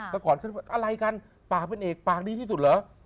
แต่ก่อนฉันอะไรกันปากเป็นเอกปากดีที่สุดเหรอ